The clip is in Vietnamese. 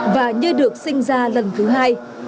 và như được sinh ra lần thứ hai